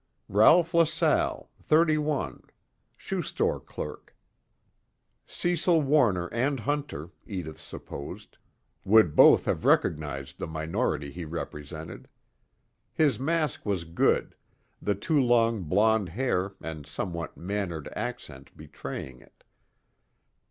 Ralph LaSalle, thirty one, shoe store clerk. Cecil Warner and Hunter, Edith supposed, would both have recognized the minority he represented. His mask was good, the too long blond hair and somewhat mannered accent betraying it.